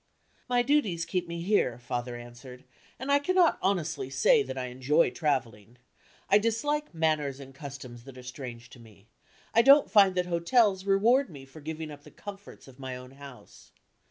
"My duties keep me here," father answered; "and I cannot honestly say that I enjoy traveling. I dislike manners and customs that are strange to me; I don't find that hotels reward me for giving up the comforts of my own house.